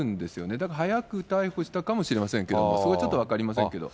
だから早く逮捕したかもしれませんけど、それはちょっと分かりませんけれども。